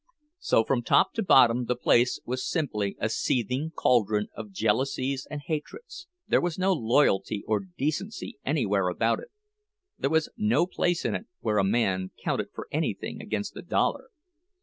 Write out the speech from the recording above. So from top to bottom the place was simply a seething caldron of jealousies and hatreds; there was no loyalty or decency anywhere about it, there was no place in it where a man counted for anything against a dollar.